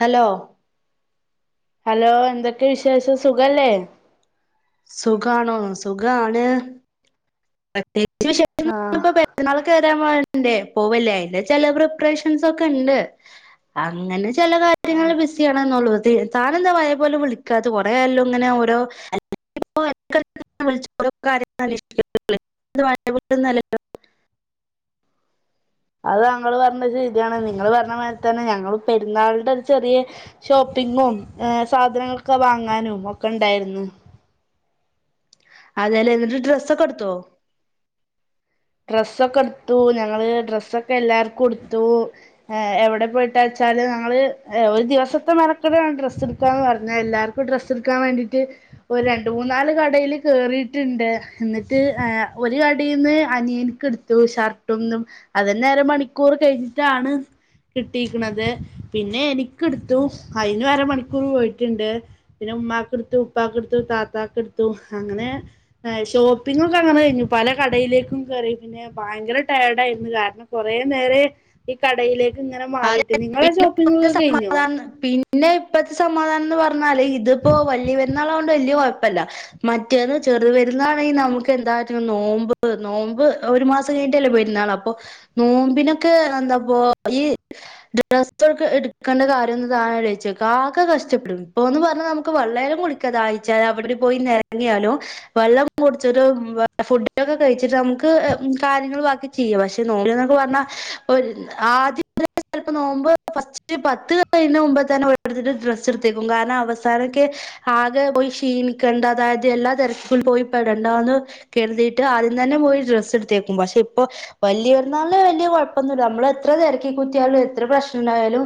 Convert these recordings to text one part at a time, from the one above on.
Hello hello എന്തൊക്കെ വിശേഷം സുഖല്ലേ സുഖാണോ സുഖാണ് [unintelligible] വിശേഷൊന്നും ആഹ ഇപ്പൊ [unintelligible] പോവല്ലേ അതിന്റെ ചില പ്രിപ്പറേഷൻസ് ഒക്കെ ഉണ്ട് അങ്ങനെ ചില കാര്യങ്ങൾ ബിസിയാണന്നെ ഉള്ളൂ താനെന്താ പഴയ പോലെ വിളിക്കാത്ത് കുറെയായല്ലോ ഇങ്ങനെ ഓരോ അല്ലെങ്കി ഇപ്പോ ഇടയ്ക്ക് ഇടയ്ക്ക് വിളിച്ച് ഓരോ കാര്യങ്ങൾ അന്വേഷി [unintelligible] പഴയ പോലെയൊന്നും അല്ലല്ലോ അത് ഞങ്ങള് പറഞ്ഞത് ശരിയാണ് നിങ്ങള് പറഞ്ഞ മാതിരി തന്നെ ഞങ്ങളും പെരുന്നാളിന്റെ ഒരു ചെറിയ ഷോപ്പിങ്ങും സാധനങ്ങളൊക്കെ വാങ്ങാനും ഒക്കെ ഉണ്ടായിരുന്നു അതെലെ എന്നിട്ട് ഡ്രസ്സൊക്കെ എടുത്തുവോ ഡ്രസ്സൊക്കെ എടുത്തു ഞങ്ങള് ഡ്രസ്സൊക്കെ എല്ലാവർക്കും എടുത്തു എവിടെ പോയിട്ടാ വെച്ചാല് ഞങ്ങള് ഒരു ദിവസത്തെ മെനക്കടാണ് ഡ്രസ്സ് എടുക്കാന്ന് പറഞ്ഞാൽ എല്ലാർക്കും ഡ്രസ്സ് എടുക്കാൻ വേണ്ടിട്ട് ഒരു രണ്ട് മൂന്നാല് കടയിൽ കേറിയിട്ടുണ്ട് എന്നിട്ട് ഒരു കടയിന്ന് അനയൻക്ക്‌ എടുത്തു ഷർട്ടൊന്നും അതെന്നെ അര മണിക്കൂർ കഴിഞ്ഞിട്ടാണ് കിട്ടിയിരിക്കണത് പിന്നെ എനിക്കെടുത്തു അതിന് അരമണിക്കൂർ പോയിട്ടുണ്ട് പിന്നെ ഉമ്മാക്ക് എടുത്തു ഉപ്പാക്കെടുത്തു താത്താക്ക് എടുത്തു അങ്ങനെ ഷോപ്പിങ്ങൊക്കെ അങ്ങനെ കഴിഞ്ഞു പല കടയിലേക്കും കേറി പിന്നെ ഭയങ്കര ടയേർടായിരുന്നു കാരണം കുറേ നേരായി ഈ കടയിലേക്ക് ഇങ്ങനെ അതെ മാറിയിട്ട് നിങ്ങളെ പിന്നെ ഷോപ്പിംഗ് [unintelligible] ഒക്കെ കഴിഞ്ഞോ സമാധാന പിന്നെ ഇപ്പ സമാദാനന്ന് പറ ഞ്ഞാൽ ഇതിപ്പോ വല്യ പെരു പെരുന്നാളായതുകൊണ്ട് വലിയ കുഴപ്പില്ല മറ്റേത് ചെറിയ പെരുന്നാളാണെങ്കിൽ നമുക്ക് എന്താവെച്ചാ നോമ്പ് നോമ്പ് ഒരു മാസം കഴിഞ്ഞട്ടല്ലേ പെരുന്നാള് അപ്പൊ നോമ്പിനൊക്കെ എന്താപ്പോ ഈ ഡ്രസൊക്കെ എടുക്കേണ്ട കാര്യന്ന് താൻ ആലോചിച്ച് നോക്ക് ആകെ കഷ്ടപ്പെടും ഇപ്പോന്ന് പറഞ്ഞാൽ നമുക്ക് വെള്ളെലും കുടിക്കാ ദാഹിച്ചാൽ അവിടെ പോയി നിരങ്ങിയാലും വെള്ളം കുടിച്ചിട്ട് ഫുഡൊക്കെ കഴിച്ചിട്ട് നമുക്ക് കാര്യങ്ങൾ ബാക്കി ചെയ്യാം പക്ഷെ നോമ്പിന്ന്നൊക്കെ പറഞ്ഞാൽ ആദ്യം [unintelligible] നോമ്പ് ഫസ്റ്റ് പത്ത് കഴിയിന് മുമ്പ് തന്നെ ഓരോരുത്തര് ഡ്രസ്സ് എടുത്തുവെക്കും കാരണം അവസാനൊക്കെ ആകെ പോയി ക്ഷീണിക്കണ്ട അതായത് എല്ലാ തിരക്കിലും പോയി പെടണ്ട എന്ന് കരുതിയിട്ട് ആദ്യം തന്നെ പോയി ഡ്രസ്സ് എടുത്തേക്കും പക്ഷെ ഇപ്പൊ വല്യപെരുന്നാളിന് വലിയ കുഴപ്പൊന്നില്ല നമ്മൾ എത്ര തിര ഈ കുട്ടികള് എത്ര പ്രശ്നം ഉണ്ടായാലും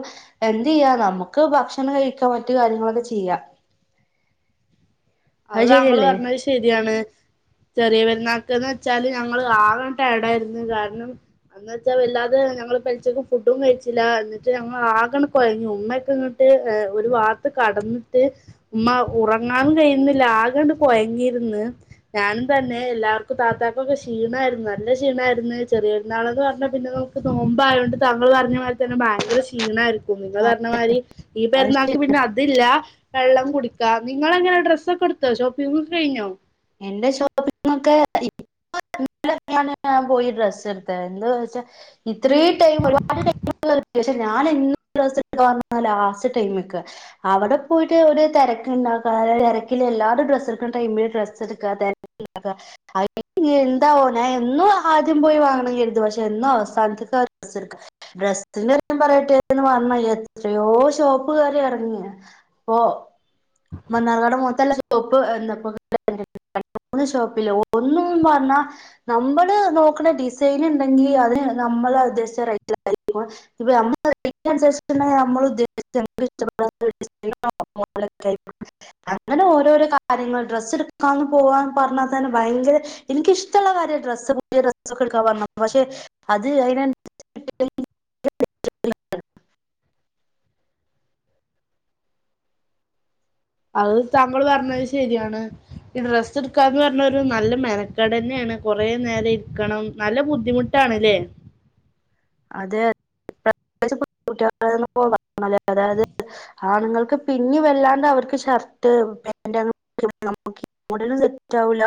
എന്ത് ചെയ്യാ നമുക്ക് ഭക്ഷണം കഴിക്കാ മറ്റു കാര്യങ്ങളൊക്കെ ചെയ്യാം അത് താങ്കൾ പറഞ്ഞത് ശരിയാണ് ചെറിയ വല ന്നാക്ക് ന്ന് വെച്ചാല് ഞങ്ങള് ആകെ ടയേടായിരുന്ന് കാരണം എന്ന് വെച്ചാൽ വല്ലാതെ ഞങ്ങള് പെൽച്ചക്ക് ഫുഡും കഴിച്ചില്ല എന്നിട്ട് ഞങ്ങൾ ആകെ ങ്ങട് കൊയഞ്ഞു ഇമ്മക്കെ ഇങ്ങട്ട് ഒരു വാത്ത് കടന്നിട്ട് ഉമ്മ ഉറങ്ങാനും കഴിയുന്ന് ഇല്ല. ആകണ്ട് കൊയങ്ങിയിരുന്ന്, ഞാനും തന്നെ എല്ലാവർക്കും താത്താക്കും ഒക്കെ ക്ഷീണായിരുന്നു. നല്ല ക്ഷീണായിരുന്ന്. ചെറിയര്ന്നാളന്ന് പറഞ്ഞ പിന്നെ നമുക്ക് നോമ്പ് ആയൊണ്ട് താങ്കൾ പറഞ്ഞ മാതിരി തന്നെ ഭയങ്കര ക്ഷീണായിരിക്കും നിങ്ങൾ പറഞ്ഞ മാതിരി. ഈ അത് പെരുന്നാക്ക് ശരി പിന്നെ അതില്ലാ വെള്ളം കുടിക്കാ നിങ്ങള് എങ്ങനെ സെക്കെട്ത്തോ ഷോപിംഗ് ഒക്കെ കഴിഞ്ഞോ? എന്റെ ഷോപ്പിംങൊക്കെ [unintelligible] പോയി ഡ്രസ്സ് എടുത്തത് എന്താന്ന് വച്ചാ ഇത്രേം ടൈം ഒരുപാട് ടൈമ് [unintelligible] പക്ഷേ ഞാൻ ഡ്രസ് എടുക്കാ ലാസ്റ്റ് ടൈമ്ക്കാ. അവിടെ പോയിട്ട് ഒരു തിരക്ക്‌ ഉണ്ടാക്കാതെ തെരക്കിൽ എല്ലാരും ഡ്രസ് എടുക്കുന്ന ടൈമില് ഡ്രസ് [unintelligible] എന്താവോ ഞാൻ എന്നും ആദ്യം പോയി വാങ്ങണംന്ന് കരുതും പക്ഷെ എന്നും അവസാനത്ക്കാ ഡ്രസ് എടുക്കാ. ഡ്രസ്സിന്റെ പറയട്ടെന്ന് പറഞ്ഞ് എത്രയോ ഷോപ്പുകയറി ഇറങ്ങി. അപ്പൊ മന്നാർക്കാട് മൊത്തല്ല ഷോപ്പ് [unintelligible] രണ്ട് മൂന്ന് ഷോപ്പില് ഒന്നുംന്ന് പറഞ്ഞാ നമ്മള് നോക്കണ ഡിസൈൻ ഉണ്ടെങ്കി അതിന് നമ്മള് ഉദ്ദേശിച്ച റേറ്റ് [unintelligible] ഇപ്പമ്മ [unintelligible] [unintelligible] അങ്ങനെ ഓരോരോ കാര്യങ്ങൾ ഡ്രസ്സ് എടുക്കാന്ന് പോവാന്ന് പറഞ്ഞാൽ തന്നെ ഭയങ്കര എനിക്കിഷ്ടള്ള കാര്യാ ഡ്രസ്സ് പുതിയ ഡ്രസ് ഒക്കെ എടുക്കാന്ന് പറഞ്ഞാ പക്ഷെ അത് അതിനെ [unintelligible] അത് താങ്കൾ പറഞ്ഞത് ശരിയാണ്. ഈ ഡ്രസ്സ് എടുക്കാന്ന് പറഞ്ഞ ഒരു നല്ല മെനക്കെടന്നേണ്. കുറെ നേരം ഇര്ക്കണം. നല്ല ബുദ്ധിമുട്ടാണ് ല്ലേ അതെ പ്രത്യേകിച്ച് [unintelligible] അതായത് ആണുങ്ങൾക്ക് പിന്നി വല്ലാണ്ട് അവർക്ക് ഷർട്ട് പാൻറ് [unintelligible] നമക്ക് മോഡലും സെറ്റാവുല്ല.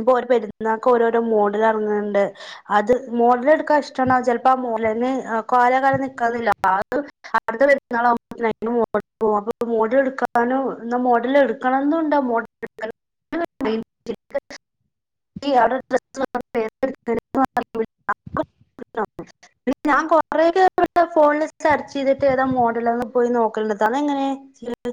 ഇപ്പോ ഓര പെരുന്നാക്ക് ഓരോരോ മോഡൽ എർങ്ണ്ട്. അത് മോഡൽ ഇടുക്കാൻ ഇഷ്ടാണ്. ചെൽ പ്പ് മോഡലന്നെ കാലാകാലം നിക്കണംനില്ല. അത് അട്ത്ത പെരുന്നാൾ ആവുമ്പോത്തിന് അയ്‌ന്റെ മോഡല് പോകും. മോഡല് ഇട്ക്കാനും ഇന്നാ മോഡല് ഇടക്കണംന്നുണ്ട് മോഡല് [unintelligible] ഞാൻ കൊറേ ഫോണിൽ സെർച്ച് ചെയ്‌തിട്ട് ഏതാ മോഡല്ന്ന് പോയി നോക്കല്ണ്ട്. താനെങ്ങെനെ ചെയ്യല്?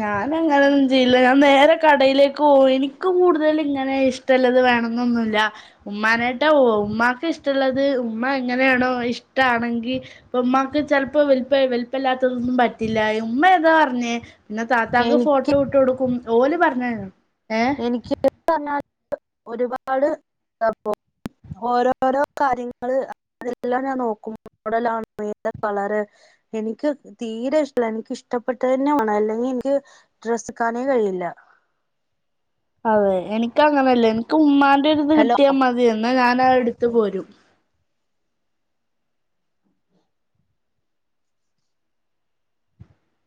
ഞാൻ അങ്ങനെ ഒന്നും ചെയ്യില്ല. ഞാൻ നേരെ കടയിലേക്ക് പോവു ഇന്ക് കൂടുതല് ഇങ്ങനെ ഇഷ്ടള്ളത് വേണംനൊന്നൂല്ല്യ. ഉമ്മാനെയ്റ്റാ പോവും ഉമ്മാക്ക് ഇഷ്ടള്ളത് ഉമ്മ എങ്ങനെയാണോ അത് ഇഷ്ടാണെങ്കി ഇപ്പൊ ഉമ്മാക്ക് ചെൽപം വൽപം വൽപല്ലാത്തതൊന്നും പറ്റില്ല ഉമ്മ ഏതാ പർഞ്ഞേ ന്നെ താത്താക്ക് എനിക്ക് ഫോട്ടോ വിട്ട്കൊടുക്കും. ഓല് പർഞ്ഞേ [unintelligible] എനിക്ക് [unintelligible] പറ് ഞ്ഞാൽ ഒരുപാട് ഓരോരോ കാര്യങ്ങള് അതെല്ലാം ഞാൻ നോക്കും ഏതാ കളറ് എനിക്ക് തീരെ ഇഷ്ടല്ല എനിക്ക് ഇഷ്ടപ്പെട്ട തന്നെ വേണം അല്ലെങ്കിൽ എനിക്ക് ഡ്രസ് ഇട്ക്കാനേ കഴിയില്ല അതെ എനിക്ക അങ്ങനെയല്ലേ എനിക്ക് ഉമ്മാ ഹലോ കിട്ടിയാൽ മതിയന്ന് ഞാൻ [unintelligible] എടുത്ത് പോരും [unintelligible]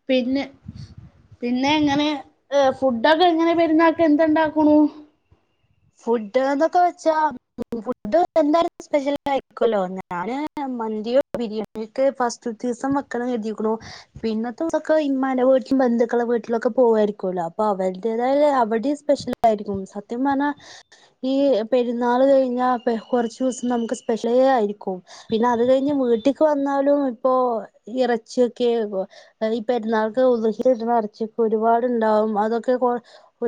പിന്നെ പിന്നെ എങ്ങനെ ഏ ഫുഡൊക്കെ എങ്ങനെ പെരുന്നാക്ക് എന്ത്ണ്ടാക്കുണു ഫുഡ് എന്നൊക്കെ വെച്ചാ ഫുഡ് എന്തായാലും സ്പെഷ്യൽ ആയിരിക്കുമല്ലോ ഞാന് മന്തിയോ ബിരിയാണി ഒക്കെ ഫസ്റ്റ്ത്തീസം വെക്കണം കരുതീകുണ്‌ പിന്നത്തെ ദിവസൊക്കെ ഇമാടെ വീട്ടിലും ബന്ധുക്കളെ വീട്ടിലൊക്കെ പോവായിരിക്കുമല്ലോ അപ്പൊ അവരുേതായ അവിടെയും സ്പെഷ്യൽ ആയിരിക്കും സത്യം പറഞ്ഞാൽ ഈ പെരുന്നാൾ കഴിഞ്ഞാ കുറചൂസം ദിവസം നമുക്ക് സ്പെഷ്യലേ ആയിരിക്കും പിന്നെ അത് കഴിഞ്ഞ് വീട്ടിക്ക് വന്നാലും ഇപ്പോ ഇറച്ചിയൊക്കെ ഈ പെരുന്നാൾക്ക് ഉദ്ഹിയ കിട്ട്ണ ഇറച്ചിയൊക്കെ ഒരുപാടുണ്ടാവും അതൊക്കെ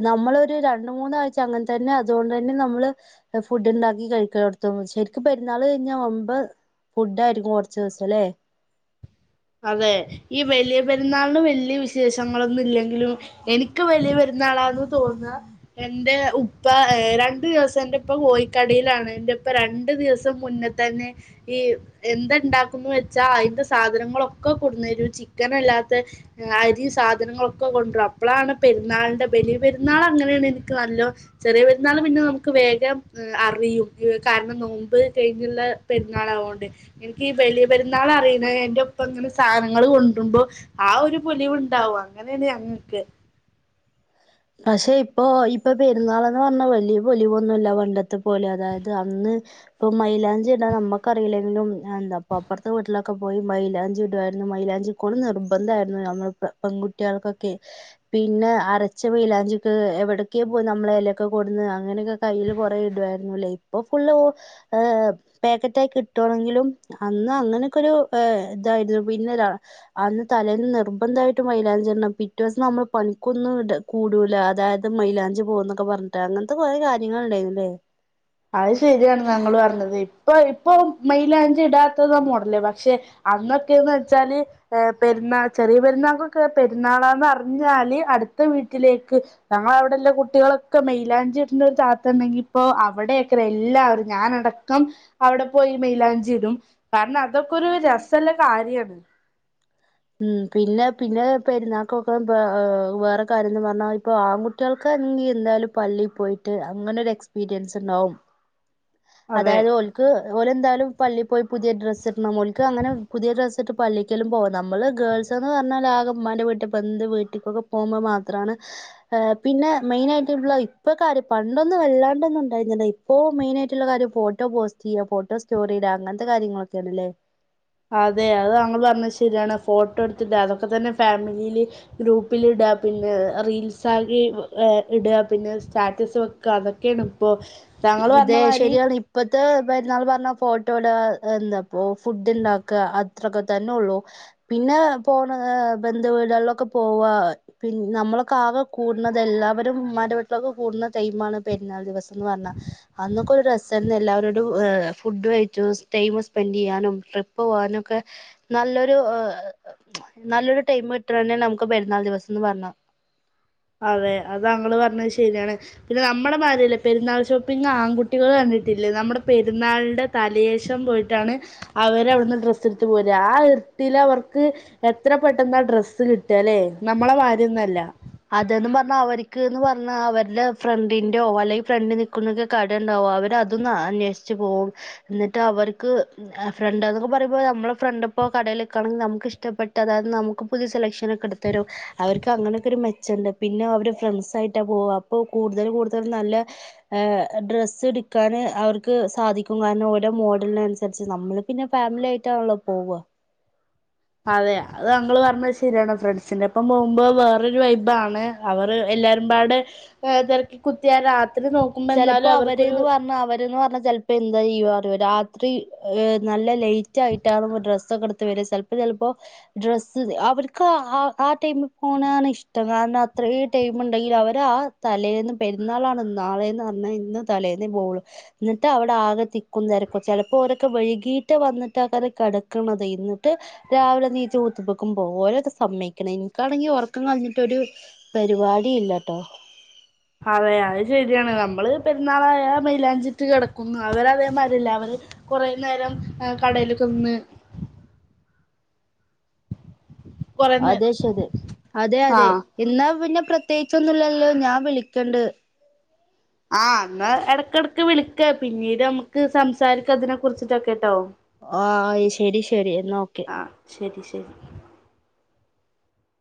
നമ്മളൊരു രണ്ട് മൂന്നാഴ്ച അങ്ങനത്തെ തന്നെ അതുകൊണ്ട് തന്നെ നമ്മള് ഫുഡ് ഉണ്ടാക്കി കഴിക്കാലൊട്ത്തും ശരിക്കും പെരുന്നാൾ കഴിഞ്ഞാൽ വമ്പൻ ഫുഡ് ആയിരിക്കും കൊറച്ച് ദിവസം അല്ലേ അതെ ഈ വലിയ പെരുന്നാള്ന് വലിയ വി വിശേഷങ്ങളൊന്നും ഇല്ലെങ്കിലും എനിക്ക് വലിയ പെരു എന്നാളാന്ന് തോന്ന എന്റെ ഉപ്പ രണ്ടു ദിവസം എന്റെ ഇപ്പ കോഴിക്കടയിലാണ് എന്റെപ്പ രണ്ടു ദിവസം മുന്നേ തന്നെ ഈ എന്ത ഉണ്ടാക്കുന്നു വെച്ചാ അതിന്റെ സാധനങ്ങളൊ ഒക്കെ കൊടുന്നരും ചിക്കൻ അല്ലാത്ത അരിം സാധനങ്ങളൊക്കെ കൊണ്ടരും അപ്പോളാണ് പെരുന്നാളിന്റെ ബലിയ പെരുന്നാൾ അങ്ങനെയാണ് എനിക്ക് നല്ലോ ചെറിയ പെരുന്നാൾ പിന്നെ നമുക്ക് വേഗം അറിയും കാരണം നോമ്പ് കഴിഞ്ഞുള്ള പെരുന്നാൾ ആവോണ്ട് എനിക്ക് ഈ ബലിയ പെരുന്നാൾ അറിയ്ണ എന്റെ ഉ ഇപ്പ അങ്ങനെ സാധനങ്ങൾ കൊണ്ട്ര്മ്പോ ആ ഒരു പൊലിവുണ്ടാവും അങ്ങനെയാണ് ഞങ്ങൾക്ക് പക്ഷെ ഇപ്പൊ ഇപ്പൊ പെരുന്നാൾന്ന് പറഞ്ഞാ വലിയ പൊലിവൊന്നുമല്ല പണ്ടത്തെ പോലെ അതായത് അന്ന് ഇപ്പൊ മൈലാഞ്ചിടാൻ നമ്മക്കറിയില്ലെങ്കിലും എന്താപ്പ അപ്പൊറത്തെ വീട്ടിലൊ ഒക്കെ പോയി മൈയിലാഞ്ചി ഇടു ആയിരുന്നു മൈലാഞ്ചി കൊന്ന് നിർബന്ധയിരുന്നു ഞങ്ങക്ക് പെൺകുട്ടികൾക്കൊക്കെ പിന്നെ അര ച്ച് മൈയിലാഞ്ചിക്ക് എവിടെക്യോ പോയി നമ്മള് എലൊക്കെ കൊടന്ന് അങ്ങനൊക്കെ കയ്യിൽ കുറേ ഇടു വായിരുന്നുല്ലേ ഇപ്പൊ ഫുള്ള് ഉ ഏ പാക്കറ്റായി കിട്ടു ആണെങ്കിലും അന്ന് അങ്ങനൊക്കെ ഒരു ഏ ഇതായിരുന്നു പിന്നെതാ അന്ന് തലേന്ന് നിർബന്ധയിട്ടു മൈയിലാഞ്ചി ഇടണം പിറ്റേസം നമ്മൾ പണിക്കൊന്ന് ഇട് കൂടൂല അതായത് മൈലാഞ്ചി പോകന്നൊക്കെ പറഞ്ഞിട്ട് അങ്ങനത്തെ കുറെ കാര്യങ്ങളുണ്ടായിര്ന്നല്ലേ അത് ശരിയാണ് നിങ്ങള് പറഞ്ഞത് ഇപ്പൊ ഇപ്പൊ മൈയിലാഞ്ചി ഇടാത്തതാ മോഡല് പക്ഷെ അന്നൊക്കെയന്ന് വെച്ചാല് ഏ പെരുന്നാ ചെറിയ പെരുന്നാൾകൊക്കെ പെരുന്നാളാന്ന്റിഞ്ഞാല് അടുത്ത വീട്ടിലേക്ക് ഞങ്ങൾ അവിടെള്ള കുട്ടികളൊക്കെ മെയിലാഞ്ചി ഇടുന്ന ഒരു താത്തുണ്ടെങ്കി ഇപ്പോ ആ അവിടെയെക്കെ എല്ലാരും ഞാനടക്കം അവിടെ പോയി മെയിലാഞ്ചിടും കാരണം അതൊക്കെ ഒരു രസള്ള കാര്യണ് ഉം പിന്നെ പിന്നെ പെരുന്നാക്കൊക്കെ വേ വേറെ കാര്യംന്ന് പറഞ്ഞാ ഇപ്പൊ ആൺകുട്ടികൾക്ക് എന്തായാലും പള്ളി പോയിട്ട് അങ്ങനെ ഒരു എക്സ്പീരിയൻസ് ഉണ്ടാവും അതെ അതായത് ഓല്ക്ക് ഓലെന്തായാലും പള്ളി പോയി പുതിയ ഡ്രസ്സ് ഇടണം ഓല്ക്ക് അങ്ങനെ പുതിയ ഡ്രസ് ഇട്ടിട്ട് പള്ളിക്കലും പോ നമ്മള് ഗേൾസ്ന്ന് പറഞ്ഞാല് ആക ഉമ്മാന്റെ വീട്ടില ബെന്ത് വീട്ടിക്കൊക്കെ പോകുമ്പോ മാത്രമാണ് ഏ പിന്നെ മെയിൻ ആയിട്ട്ള്ള ഇപ്പൊ കാര്യം പണ്ടൊന്നും വല്ലാണ്ടൊന്നും ഉണ്ടായിരുന്നില്ല ഇപ്പൊ മെയിന ആയിട്ടുള്ള കാര്യം ഫോട്ടോ പോസ്റ്റ് ചെയ്യ ഫോട്ടോ സ്റ്റോറിടാ അങ്ങനത്തെ കാര്യങ്ങളൊക്കെയണല്ലേ അതെ അത് തങ്ങൾ പറഞ്ഞത് ശരിയാണ് ഫോട്ടോ എടുത്തിട്ട അതൊക്കെ തന്നെ ഫാമിലിയില് ഗ്രൂപ്പിൽ ഇടുക പിന്നെ റീൽസ് ആക്കി ഏ ഇടുക പിന്നെ സ്റ്റാറ്റസ് വെക്കുക അതൊക്കെയാണ് ഇപ്പോ ഇ ഇത് ശരിയാണ് ഇപ്പത്തെ പെരുന്നാൾ പറഞ്ഞാ ഫോട്ടോട എന്താപ്പോ ഫുഡ് ഇണ്ടാക്കുക അത്രൊക്കെ തന്നെള്ളൂ പിന്നെ പോണ ബന്ധുവീടുകളിലൊക്കെ പോവ പിന്ന നമ്മളൊക്കെ ആകെ കൂടുന്നത് എല്ലാവരും ഉമ്മാന്റെ വീട്ടിലൊക്കെ കൂടുന്ന ടൈണ് പെരുന്നാൾ ദിവസം എന്ന് പറഞ്ഞാ അന്നൊക്കെ ഒരു രസാര്ന്ന് എല്ലാവരോടും ഏ ഫുഡ് കഴിച്ചു ടൈം സ്പെൻഡ് ചെയ്യാനും ട്രിപ്പ് പോകാനു ഒക്കെ നല്ലൊരു ഏ നല്ലൊരു ടൈം കിട്ടണ തന്നെ നമുക്ക് പെരുന്നാൾ ദിവസംന്ന് പറഞ്ഞ അതെ അത് തകാൾ പറഞ്ഞത് ശരിയാണ് പിന്നെ നമ്മുടെ മാരില്ലേ പെരുന്നാൾ ഷോപ്പിങ് ആൺകുട്ടികൾ കണ്ടിട്ടില്ലേ നമ്മുടെ പെരുന്നാളിടെ തലേശം പോയിട്ടാണ് അവര് അവിടുന്ന് ഡ്രസ്സ് എടുത്ത് പോര് ആ ഇർട്ടില് അവർക്ക് എത്ര പെട്ടെന്ന ഡ്രസ്സ് കിട്ടുക അല്ലെ നമ്മളെ മാര്ന്നല്ല അതന്ന് പറഞ്ഞാൽ അവർക്ക്ന്ന് പറഞ്ഞാൽ അവരുടെ ഫ്രണ്ടിന്റോ അല്ലെങ്കിൽ ഫ്രണ്ട് നിൽക്കുന്നൊക്കെ കട ഉണ്ടാവോ അവരതു അന്വേഷിച്ച് പോവും എന്നിട്ട് അവർക്ക് ഏ ഫ്രണ്ട് എന്നൊക്കെ പറയുമ്പോ നമ്മെൾ ഫ്രണ്ട് ഇപ്പോൾ കടയിൽെക്കാണെങ്കിൽ നമുക്ക് ഇഷ്ടപ്പെട്ടത് അത് നമുക്ക് പുതിയ സെലക്ഷൻ ഒക്കെ എടുത്ത് തേരും അവർക്ക് അങ്ങനെയൊക്കെ ഒരു മെ ച്ച്ണ്ട് പിന്നെ അവര് ഫ്രണ്ട്സ് ആയിട്ടാ പോവ അപ്പൊ കൂടുതൽ കൂടുതൽ നല്ല ഏ ഡ്രസ്സ് എടുക്കാന് അവർക്ക് സാധിക്കും കാരണം ഓരോ മോഡലിന് അനുസരിച്ച് നമ്മള് പിന്നെ ഫാമിലി ആയിട്ടാണല്ലോ പോവ അതെ അത് തകാൾ പറഞ്ഞത് ശരിയാണ് ഫ്രണ്ട്സിന്റോപ്പം പോകുമ്പോ വേറരു വൈഭാണ് അവര് എല്ലാരുംപാട് ഏ തിരക്കി കുത്തിയലാ ചിലപ്പോ അവര്ന്ന് പറഞ്ഞ അവര്ന്ന് പറഞ്ഞ ചിലപ്പോ എന്താ ചെയ്യറിയൊ രാ ത്രി ഏ നല്ല ലേറ്റ് ആയിട്ടാണ് ഡ്രസ്സൊക്കെ എടുത്ത് വര ചിലപ്പോ ചിലപ്പോ ഡ്രസ്സ് അവർക്ക് ആ ടൈമിൽ പോണാണ് ഇഷ്ടം കാരണം അത്ര ടൈമ്ണ്ടെങ്കിൽ അവർ ആ തലയിന്ന് പെരുന്നാളാണ് നാളെന്ന് പറഞ്ഞ ഇന്ന് തലേന്ന പോവൂളൂ എന്നിട്ട് അവിടെ ആകെ തിക്കുന്നരക്ക ചിലപ്പോ ഓരൊക്കെ വഴുകീട്ട് വന്നിട്ട് ആക്കെ കിടക്കണത് ഇനിട്ട് രാവിലെ എനീച്ച് കുളിചിട്ട് ഒക്ക് പോവും ഓരൊക്കെ സമ്മക്കണം എനിക്കാണെങ്കി ഉറക്കം കഴിഞ്ഞിടൊരു പരിപാടി ഇല്ലട്ടോ അതെ അത് ശരിയാണ് നമ്മള് പെരുന്നാളായ മൈലാഞ്ചിറ്റ് കിടക്കുന്നു അവരതേമാരില്ല അവര് കൊറെ നേരം കടലൊക്കെ നിന്ന് കൊറേ നേരം അതെ ശരി അതെ അതെ ആഹ് ഇന്നാ പിന്നെ പ്രത്യേകിച്ചൊന്നുല്ലല്ലോ ഞാൻ വിളിക്കണ്ട് ആ അന്ന് ഇടക്കിടക്ക് വിളിക്ക പിന്നീട് നമുക്ക് സംസാരിക്ക അതിനെ കുറിച്ചിട്ടൊക്കെട്ടോ ഓ ആ ശെരി ശരി എന്നാ ഓക്കെ ആഹ് ശരി ശരി